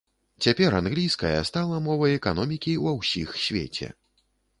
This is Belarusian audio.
Цяпер англійская стала мовай эканомікі ва ўсіх свеце.